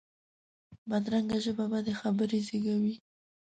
بدرنګه ژبه بدې خبرې زېږوي